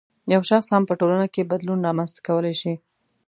یو شخص هم په ټولنه کې بدلون رامنځته کولای شي.